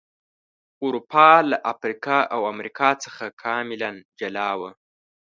اروپا له افریقا او امریکا څخه کاملا جلا و.